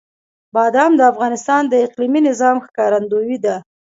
بادام د افغانستان د اقلیمي نظام ښکارندوی ده.